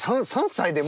３歳。